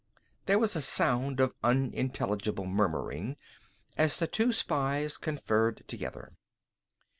There was a sound of unintelligible murmuring as the two spies conferred together.